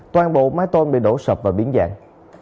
toàn bộ mái tôn bị đổ sập và biến dạng